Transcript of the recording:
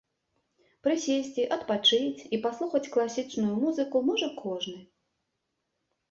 Прысесці, адпачыць і паслухаць класічную музыку можа кожны.